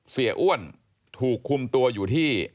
เสียอ้วนถูกคุมตัวอยู่ที่